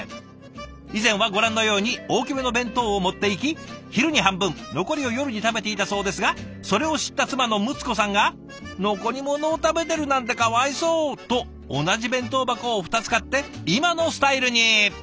以前はご覧のように大きめの弁当を持っていき昼に半分残りを夜に食べていたそうですがそれを知った妻のむつこさんが「残り物を食べてるなんてかわいそう」と同じ弁当箱を２つ買って今のスタイルに。